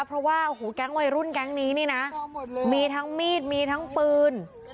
เพราะว่าโอ้โหแก๊งวัยรุ่นแก๊งนี้นี่นะมีทั้งมีดมีทั้งปืน